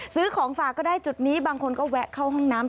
ซื้อของฝากก็ได้จุดนี้บางคนก็แวะเข้าห้องน้ำ